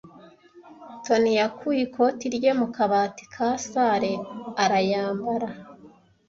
Toni yakuye ikoti rye mu kabati ka salle arayambara.